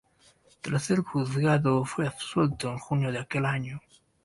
Tras ser juzgado, fue absuelto en junio de aquel año.